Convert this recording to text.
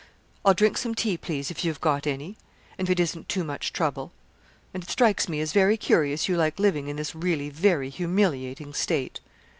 I'll drink some tea, please, if you have got any, and it isn't too much trouble; and it strikes me as very curious you like living in this really very humiliating state.'